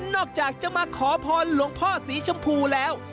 นอกจากจะมาขอพรหลวงพ่อสีชมพูแล้ว